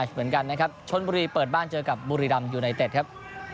เจอกับบุรีรัมย์ยูไนเต็ดครับ